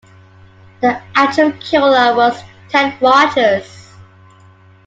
The actual killer was Ted Rogers.